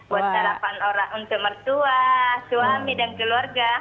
buat sarapan orang untuk mertua suami dan keluarga